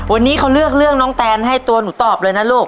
วันนี้เขาเลือกเรื่องน้องแตนให้ตัวหนูตอบเลยนะลูก